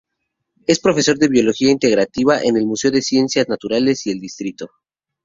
Es profesor de biología integrativa en el Museo de Ciencias Naturales y el Dto.